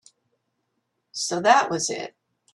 So that was it.